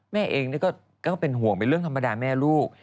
แม่เองก็เป็นห่วงเป็นเรื่องธรรมดาแม่ลูก